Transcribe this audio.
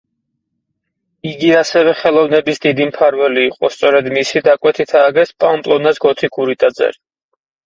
იგი ასევე ხელოვნების დიდი მფარველი იყო, სწორედ მისი დაკვეთით ააგეს პამპლონას გოთიკური ტაძარი.